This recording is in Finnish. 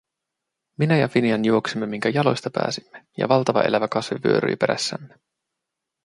Minä ja Finian juoksimme, minkä jaloista pääsimme ja valtava elävä kasvi vyöryi perässämme.